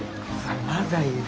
まだいる。